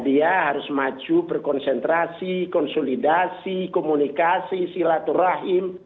dia harus maju berkonsentrasi konsolidasi komunikasi silaturahim